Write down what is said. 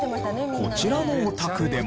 こちらのお宅でも。